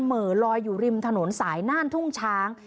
เห่อลอยอยู่ริมถนนสายน่านทุ่งช้าง